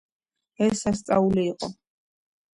ეს სასწაული იყო!